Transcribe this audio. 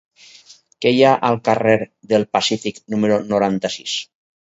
Què hi ha al carrer del Pacífic número noranta-sis?